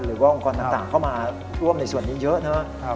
หรือว่าองค์กรต่างเข้ามาร่วมในส่วนนี้เยอะนะ